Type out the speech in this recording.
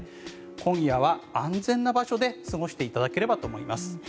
今夜は安全な場所で過ごしていただければと思います。